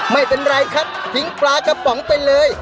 ไม่เป็นไรครับทิ้งปลากระป๋องไปเลย